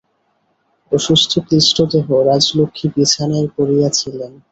অসুস্থ ক্লিষ্টদেহ রাজলক্ষ্মী বিছানায় পড়িয়া ছিলেন।